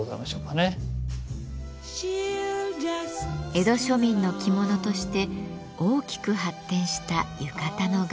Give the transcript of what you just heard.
江戸庶民の着物として大きく発展した浴衣の柄。